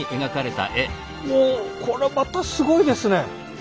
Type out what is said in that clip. うおこれまたすごいですね。